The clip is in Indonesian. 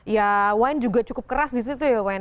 ya wine juga cukup keras di situ ya